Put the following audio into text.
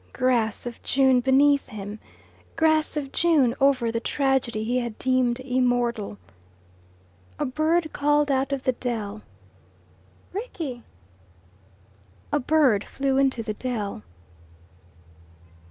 Grass of June beneath him, grass of June over the tragedy he had deemed immortal. A bird called out of the dell: "Rickie!" A bird flew into the dell.